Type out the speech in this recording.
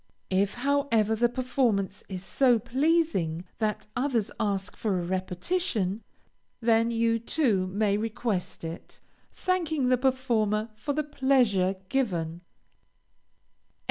If, however, the performance is so pleasing that others ask for a repetition, then you too may request it, thanking the performer for the pleasure given.